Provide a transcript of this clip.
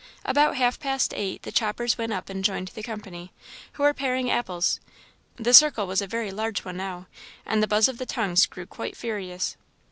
About half past eight the choppers went up and joined the company, who were paring apples; the circle was a very large one now, and the buzz of the tongues grew quite furious.